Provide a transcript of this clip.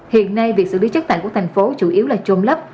hiện nay việc xử lý chất thải của thành phố chủ yếu là trôn lấp